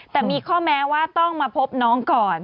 แต่มีข้อแม้ว่าต้องมาพบน้องก่อน